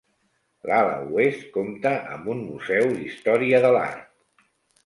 L'ala oest compta amb un Museu d'Història de l'Art.